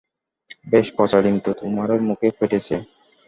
বেশ, পচা ডিম তো তোমার মুখেই ফেটেছে।